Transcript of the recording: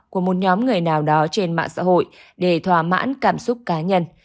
của một nhóm người nào đó trên mạng xã hội để thỏa mãn cảm xúc cá nhân